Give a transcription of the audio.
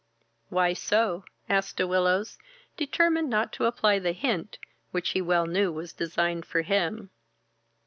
"Why so?" asked De Willows, determined not to apply the hint which he well knew was designed for him.